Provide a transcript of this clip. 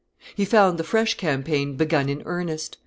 He found the fresh campaign begun in earnest.